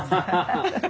ハハハハッ